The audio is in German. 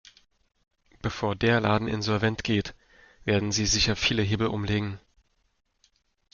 Bevor der Laden insolvent geht, werden sie sicher viele Hebel umlegen.